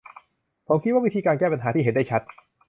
ผมคิดว่าวิธีการแก้ปัญหาที่เห็นได้ชัด